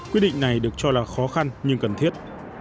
quyết định này được cho là khó khăn nhưng cần thiết